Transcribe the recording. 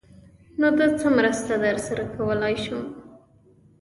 _نو زه څه مرسته درسره کولای شم؟